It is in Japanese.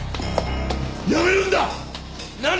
やめるんだ！